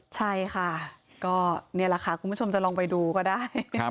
ใช่ค่ะก็นี่แหละค่ะคุณผู้ชมจะลองไปดูก็ได้